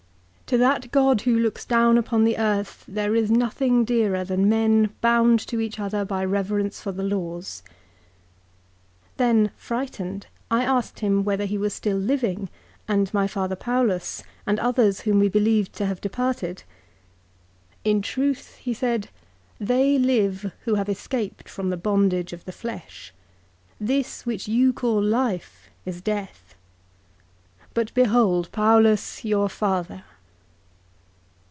To that God who looks down upon the earth 408 APPENDIX. there is nothing dearer than men bound to each other by reverence for the laws." " Then, frightened, I asked him whether he were still living, and my father Paulus, and others whom we believed to have departed. 'In truth,' he said, ' they live who have escaped from the bondage of the flesh. This which you call life is death. But behold Paulus your father.'